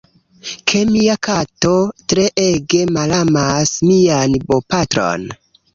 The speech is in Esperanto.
ke mia kato tre ege malamas mian bopatron.